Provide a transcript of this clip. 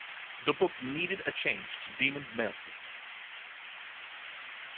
The book needed a change to Demon's mail systems.